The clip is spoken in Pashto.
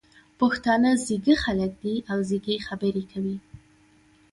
پښتانه ځيږه خلګ دي او ځیږې خبري کوي.